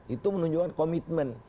itu menunjukkan komitmen